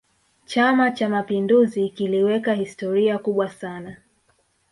chama cha mapinduzi kiliweka historia kubwa sana